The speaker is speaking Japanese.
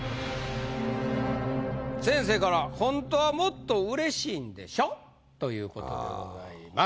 先生から「本当はもっと嬉しいんでしょ？」ということでございます。